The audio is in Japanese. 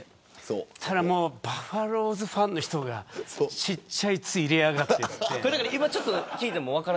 そしたらバファローズファンの人がちっちゃいツを入れやがってと。